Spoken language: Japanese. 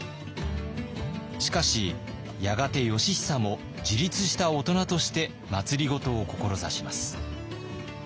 しかしやがて義尚も自立した大人として政を志します。